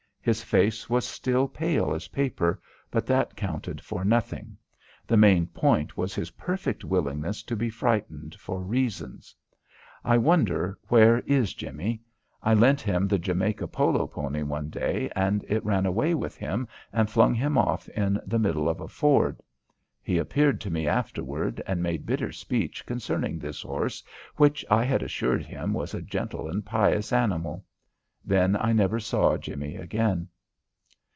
His face was still as pale as paper, but that counted for nothing. The main point was his perfect willingness to be frightened for reasons. I wonder where is Jimmie? I lent him the Jamaica polo pony one day and it ran away with him and flung him off in the middle of a ford. He appeared to me afterward and made bitter speech concerning this horse which I had assured him was a gentle and pious animal. Then I never saw Jimmie again.